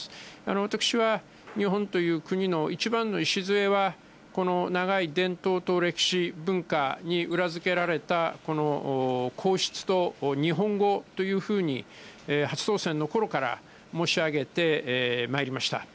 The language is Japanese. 私は、日本という国の一番の礎は、この長い伝統と歴史、文化に裏付けられた、この皇室と日本語というふうに、初当選のころから申し上げてまいりました。